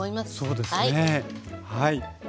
そうですねはい。